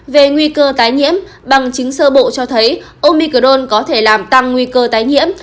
về nguy cơ tái nhiễm bằng chứng sơ bộ cho thấy omicrone có thể làm tăng nguy cơ tái nhiễm